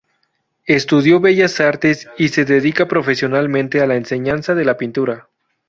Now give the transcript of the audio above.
Estudió Bellas Artes y se dedica profesionalmente a la enseñanza de la pintura.